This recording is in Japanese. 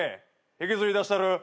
引きずり出したる。